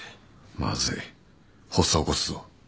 まずい発作を起こすぞ